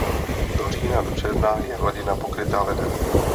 Od října do června je hladina pokrytá ledem.